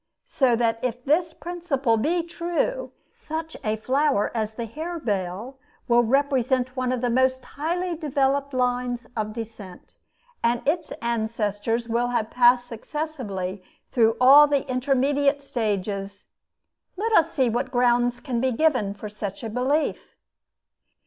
So that if this principle be true, such a flower as the harebell will represent one of the most highly developed lines of descent; and its ancestors will have passed successively through all the intermediate stages. Let us see what grounds can be given for such a belief.